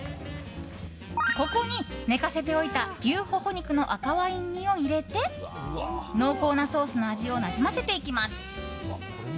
ここに、寝かせておいた牛ホホ肉の赤ワイン煮を入れて濃厚なソースの味をなじませていきます。